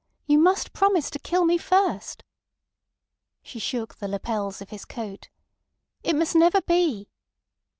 You must promise to kill me first!" She shook the lapels of his coat. "It must never be!"